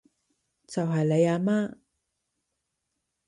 就係你阿媽